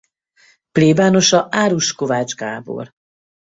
Plébánosa Árus Kovács Gábor.